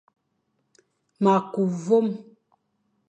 Ma ku mvoom,